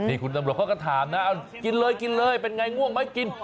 นี่คุณตำรวจเขาก็ถามนะเอากินเลยกินเลยเป็นไงง่วงไหมกิน